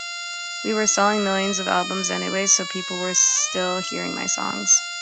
We were selling millions of albums anyway, so people were still hearing my songs.